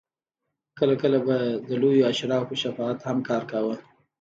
کله کله به د لویو اشرافو شفاعت هم کار کاوه.